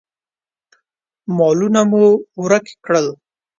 مالونه مو ورک کړل.